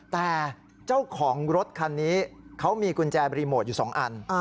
แต่เจ้าของรถคันนี้เขามีกุญแจรีโมทอยู่๒อัน